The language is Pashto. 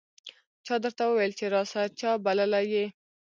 چا درته وویل چې راسه ؟ چا بللی یې